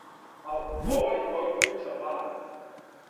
Ал' говори Гојковица млада: